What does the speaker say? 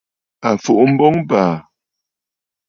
À fùʼu mboŋ ɨ̀bàà!